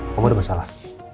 kamu ada masalah